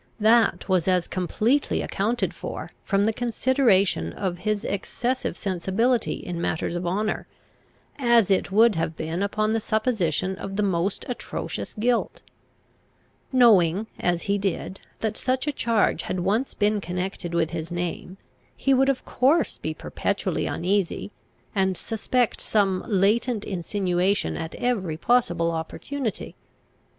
That was as completely accounted for from the consideration of his excessive sensibility in matters of honour, as it would have been upon the supposition of the most atrocious guilt. Knowing, as he did, that such a charge had once been connected with his name, he would of course be perpetually uneasy, and suspect some latent insinuation at every possible opportunity.